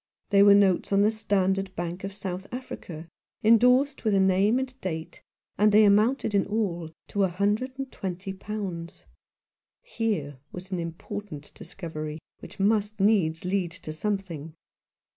They were notes on the Standard Bank of South Africa, endorsed with a name and date, and they amounted in all to a hundred and twenty pounds. Here was an important discovery, which must needs lead to something.